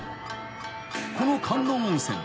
［この観音温泉。